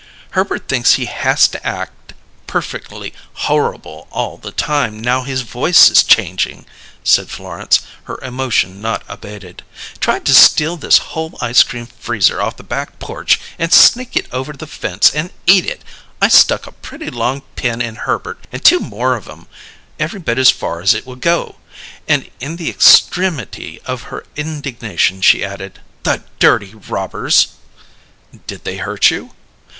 Herbert thinks he hass to act perfectly horrable all the time, now his voice is changing!" said Florence, her emotion not abated. "Tried to steal this whole ice cream freezer off the back porch and sneak it over the fence and eat it! I stuck a pretty long pin in Herbert and two more of 'em, every bit as far as it would go." And in the extremity of her indignation, she added: "The dirty robbers!" "Did they hurt you?"